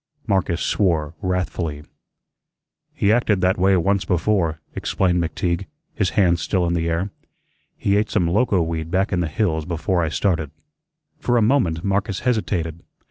Marcus swore wrathfully. "He acted that way once before," explained McTeague, his hands still in the air. "He ate some loco weed back in the hills before I started." For a moment Marcus hesitated.